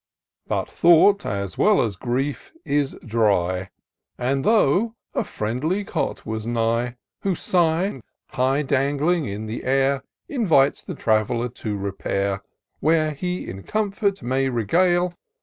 But thought as well as grief is dry, And, lo ! a friendly cot was nigh. Whose sign, high dangling in the air, Invites the trav'Uer to repair. Where he in comfort may regale.